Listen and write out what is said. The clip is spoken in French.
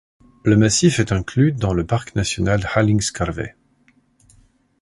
Le massif est inclus dans le parc national de Hallingskarvet.